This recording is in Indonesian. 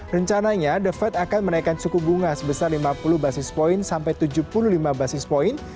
rencananya the fed akan menaikkan suku bunga sebesar lima puluh basis point sampai tujuh puluh lima basis point